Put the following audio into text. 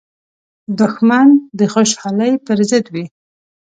دښمن د خوشحالۍ پر ضد وي